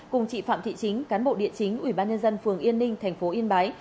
cùng chị phạm thị chính cán bộ điện chính ủy ban nhân dân phường yên ninh tp yên bái